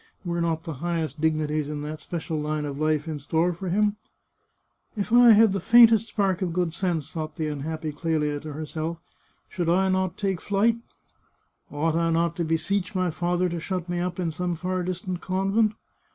Were not the highest dignities in that special line of Hfe in store for him ?" If I had the faintest spark of good sense," thought the unhappy Clelia to herself, " should I not take to flight ? Ought I not to beseech my father to shut me up in some far distant convent?